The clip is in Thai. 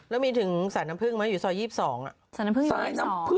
แล้วมีถึงสายน้ำพึ่งมั้ยที่ซอย๒๒